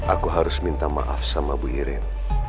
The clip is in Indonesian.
aku harus minta maaf sama ibu iren